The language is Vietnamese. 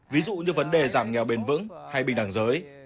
ví dụ như vấn đề giảm nghèo bền vững hay bình đẳng giới